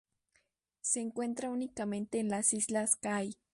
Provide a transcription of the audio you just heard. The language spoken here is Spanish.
Se encuentra únicamente en las islas Kai.